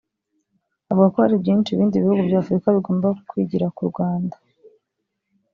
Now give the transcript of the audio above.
avuga ko hari byinshi ibindi bihugu bya Afurika bigomba kwigira ku Rwanda